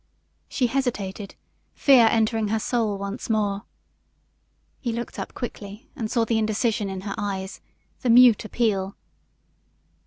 She hesitated, fear entering her soul once more. He looked up quickly and saw the indecision in her eyes, the mute appeal.